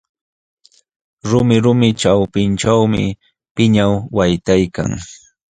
Lumilumi ćhapinćhuumi pinaw waytaykan.